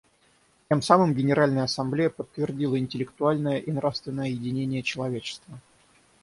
Тем самым Генеральная Ассамблея подтвердила интеллектуальное и нравственное единение человечества.